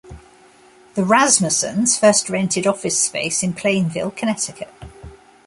The Rasmussens first rented office space in Plainville, Connecticut.